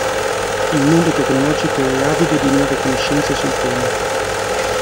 Il mondo tecnologico è avido di nuove conoscenze sul tema.